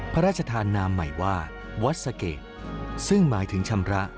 พระราชธานามใหม่ว่าวัดสะเกดซึ่งหมายถึงชำระ